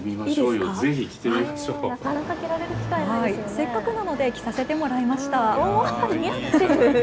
せっかくなので着させてもらいました。